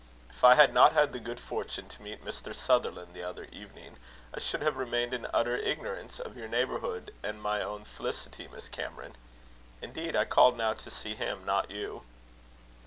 If I had not had the good fortune to meet Mr. Sutherland the other evening, I should have remained in utter ignorance of your neighbourhood and my own felicity, Miss Cameron. Indeed, I called now to see him, not you."